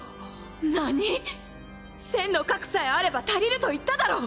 何⁉１０００の核さえあれば足りると言っただろ！